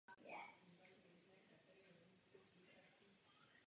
Na konci třicátých let se do popředí fantasy filmu dostávají adaptace populárních pohádek.